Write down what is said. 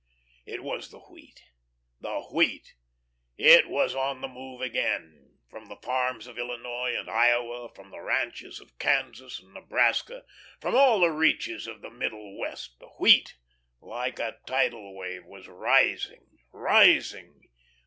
It was the Wheat, the Wheat! It was on the move again. From the farms of Illinois and Iowa, from the ranches of Kansas and Nebraska, from all the reaches of the Middle West, the Wheat, like a tidal wave, was rising, rising.